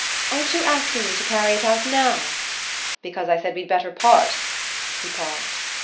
"Aren't you asking me to carry it out now?" "Because I said we'd better part?" He paused.